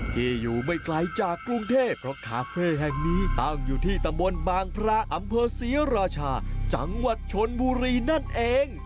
ที่อยู่ไม่ไกลจากกรุงเทพเพราะคาเฟ่แห่งนี้ตั้งอยู่ที่ตำบลบางพระอำเภอศรีราชาจังหวัดชนบุรีนั่นเอง